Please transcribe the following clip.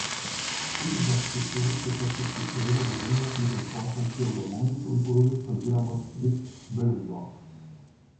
Wissenschaftshistorisch beschäftigt sich Dräger besonders mit den Forschern Theodor Mommsen und Ulrich von Wilamowitz-Moellendorff.